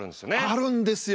あるんですよ。